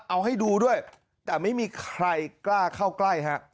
เอาให้ดูด้วยแต่ไม่มีใครกล้าเข้าใกล้ฮะ